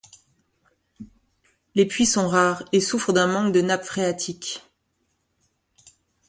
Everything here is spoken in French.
Les puits sont rares et souffrent d'un manque de nappe phréatique.